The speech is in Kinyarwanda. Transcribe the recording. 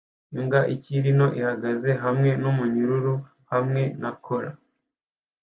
Imbwa ikiri nto ihagaze hamwe numunyururu hamwe na cola